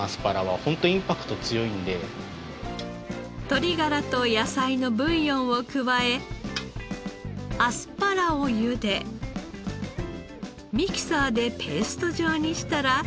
鶏ガラと野菜のブイヨンを加えアスパラをゆでミキサーでペースト状にしたら。